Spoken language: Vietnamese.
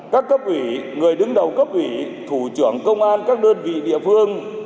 các cấp ủy người đứng đầu cấp ủy thủ trưởng công an các đơn vị địa phương